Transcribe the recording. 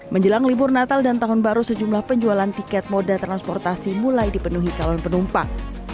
menjelang libur natal dan tahun baru sejumlah penjualan tiket moda transportasi mulai dipenuhi calon penumpang